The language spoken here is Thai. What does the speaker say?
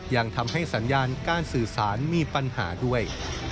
ยังทำให้สัญญาการสื่อสารมีปัญหาด้วย